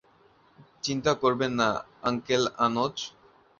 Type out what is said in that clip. চিন্তা করবে না, আঙ্কেল আনোচ।